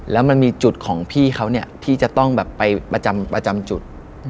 แล้วมันมีจุดของพี่เขาเนี่ยที่จะต้องแบบไปประจำจุด